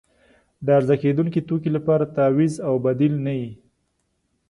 د عرضه کیدونکې توکي لپاره تعویض او بدیل نه وي.